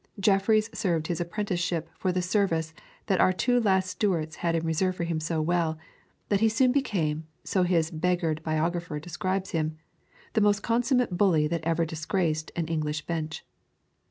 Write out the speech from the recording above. Jeffreys served his apprenticeship for the service that our two last Stuarts had in reserve for him so well, that he soon became, so his beggared biographer describes him, the most consummate bully that ever disgraced an English bench.